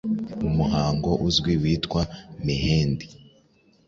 umuhango uzwi witwa Mehendi